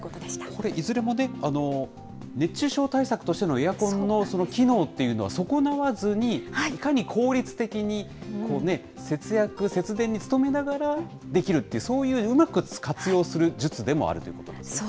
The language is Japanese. これ、いずれもね、熱中症対策としてのエアコンのその機能っていうのは損なわずに、いかに効率的に節約、節電に努めながらできるっていう、そういううまく活用する術でもあるということなんですね。